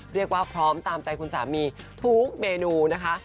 เรียกว่าพร้อมตามใจคุณสามีทุกเมนูนะคะ